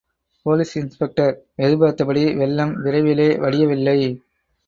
Police inspector எதிர்பார்த்தபடி வெள்ளம் விரைவிலே வடியவில்லை.